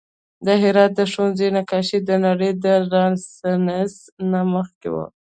د هرات د ښوونځي نقاشي د نړۍ د رنسانس نه مخکې وه